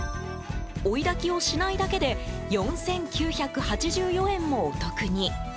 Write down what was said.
追いだきをしないだけで４９８４円もお得に。